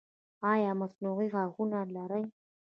ایا مصنوعي غاښونه لرئ؟